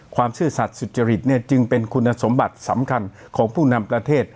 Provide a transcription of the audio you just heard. ซื่อสัตว์สุจริตจึงเป็นคุณสมบัติสำคัญของผู้นำประเทศ